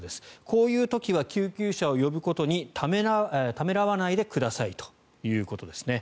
こういう時は救急車を呼ぶことにためらわないでくださいということですね。